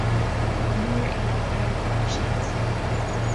Mórfhile na hÉireann, Seamus Heaney.